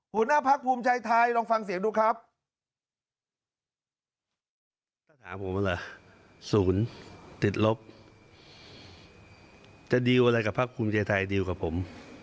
หุ่นนาภักษ์ภูมิชายไทยลองฟังเสียงดูครับ